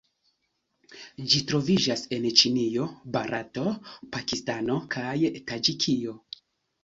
Ĝi troviĝas en Ĉinio, Barato, Pakistano kaj Taĝikio.